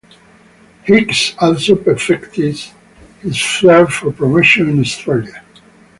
Hicks also perfected his flair for promotion in Australia.